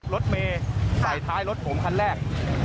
รถเมย์ใส่ท้ายรถผมคันแรก